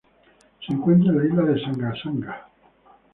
Se encuentra en la isla de Sanga-Sanga.